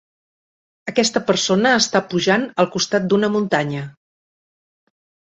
Aquesta persona està pujant al costat d'una muntanya.